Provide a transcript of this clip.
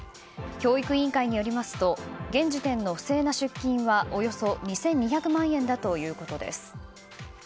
教育委員会によりますと現時点の不正な出金はおよそ２２００万円だということです。